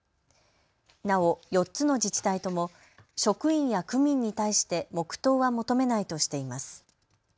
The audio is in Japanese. なお４つの自治体とも職員や区民に対して黙とうは求めないとしています。